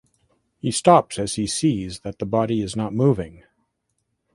He stops as he sees that the body is not moving.